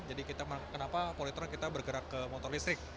jadi kita mengapa polytron kita bergerak ke motor listrik